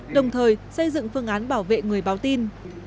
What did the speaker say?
đồng thời xây dựng phương án bảo vệ người báo tin